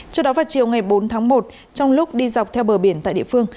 trước đó vào chiều ngày bốn tháng một trong lúc đi dọc theo bờ biển tại địa phương